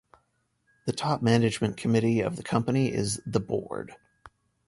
The top management committee of the company is the Board.